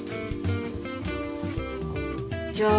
じゃあ。